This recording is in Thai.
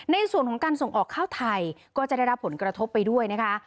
ในส่วนของการส่งออกข้าวไทยก็จะได้รับผลกระทบไปด้วยนะคะ